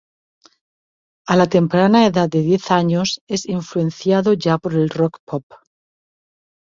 A la temprana edad de diez años es influenciado ya por el rock pop.